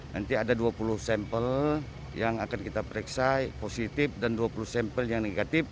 nanti ada dua puluh sampel yang akan kita periksa positif dan dua puluh sampel yang negatif